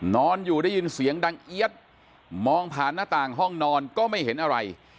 นอนอยู่ได้ยินเสียงดังเอี๊ยดมองผ่านหน้าต่างห้องนอนก็ไม่เห็นอะไร